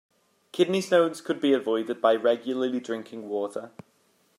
Kidney stones could be avoided by regularly drinking water.